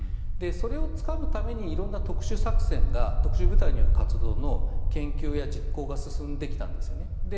それをつかむために色んな特殊作戦が特殊部隊による活動の研究や実行が進んできたんですね。